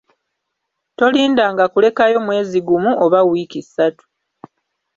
Tolindanga kulekayo mwezi gumu oba wiiki ssatu.